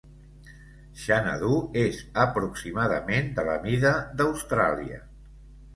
Xanadu és aproximadament de la mida d'Austràlia.